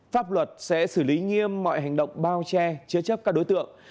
pháp luật sẽ xử lý nghiêm mọi hành động bao che chứa chấp các đối tượng